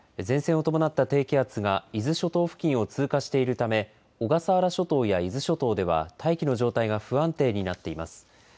前線を伴った低気圧が伊豆諸島付近を通過しているため、小笠原諸島や伊豆諸島では、大気の状態が不安定になっています。